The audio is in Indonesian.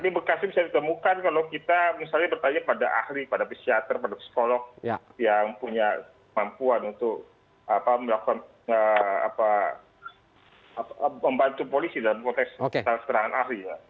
ini bekasnya bisa ditemukan kalau kita misalnya bertanya pada ahli pada psikiater pada psikolog yang punya kemampuan untuk melakukan membantu polisi dalam konteks keterangan ahli